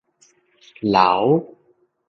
劉